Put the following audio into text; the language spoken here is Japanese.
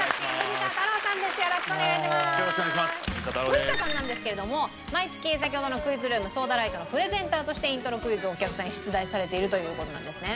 藤田さんなんですけれども毎月先ほどのクイズルームソーダライトのプレゼンターとしてイントロクイズをお客さんに出題されているという事なんですね。